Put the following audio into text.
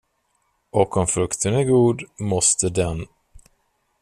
Och om frukten är god måste den.